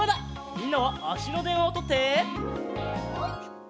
みんなはあしのでんわをとって。